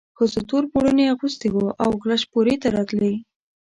ښځو تور پوړوني اغوستي وو او کلشپورې ته راتلې.